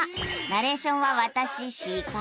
ナレーションは私四角。